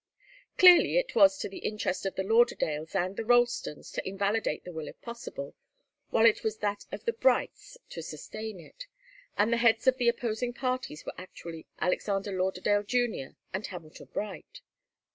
Clearly it was to the interest of the Lauderdales and the Ralstons to invalidate the will if possible, while it was that of the Brights to sustain it, and the heads of the opposing parties were actually Alexander Lauderdale Junior and Hamilton Bright.